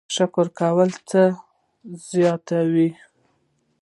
شکر کول څه زیاتوي؟